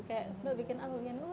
kayak mbak bikin apa